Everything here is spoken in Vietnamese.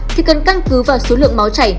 thì cần căn cứ vào số lượng máu chảy